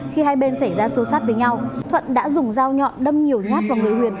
khi hai bên xảy ra xô sát với nhau thuận đã dùng dao nhọn đâm nhiều nhát vào người huyền